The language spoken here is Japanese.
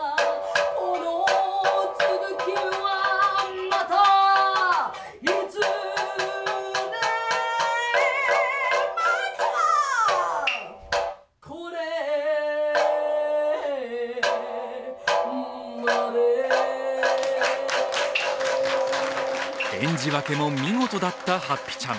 この続きはまたいずれまずはこれまで演じ分けも見事だったはっぴちゃん。。